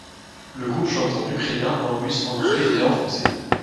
Le groupe chante en ukrainien, en russe, en anglais, et en français.